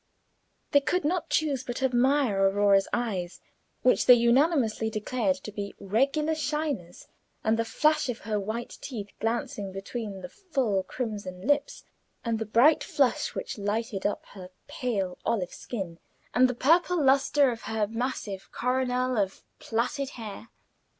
They could not choose but admire Aurora's eyes, which they unanimously declared to be "regular shiners;" and the flash of her white teeth glancing between the full crimson lips; and the bright flush which lighted up her pale olive skin; and the purple lustre of her massive coronal of plaited hair.